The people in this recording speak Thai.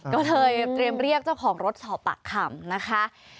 ก็เลยเตรียมเรียกเจ้าของรถสอบปากคำนะคะ